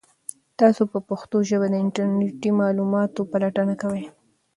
تاسو په پښتو ژبه د انټرنیټي معلوماتو پلټنه کوئ؟